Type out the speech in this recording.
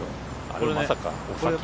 これ、まさか。